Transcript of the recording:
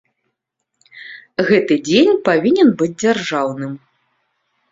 Гэты дзень павінен быць дзяржаўным.